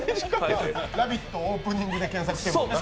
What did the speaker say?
「ラヴィット！オープニング」で検索しているもんな。